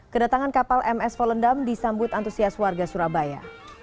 kedatangan kapal ms volendam disambut antusias warga surabaya